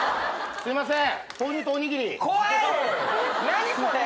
すいません